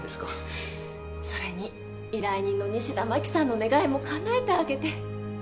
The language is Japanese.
はぁそれに依頼人の西田真紀さんの願いもかなえてあげて。